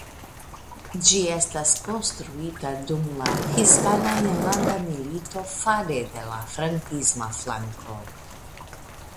Ĝi estis konstruita dum la Hispana Enlanda Milito fare de la frankisma flanko.